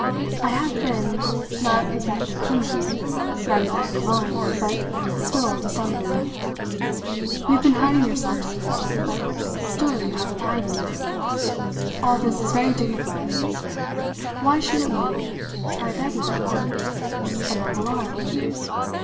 I have been, not exactly cringing, not exactly lying, but still dissembling. You have been hiding yourself, to please me, but still you have been hiding. All this is very dignified. Why shouldn't we try begging now? A noble art?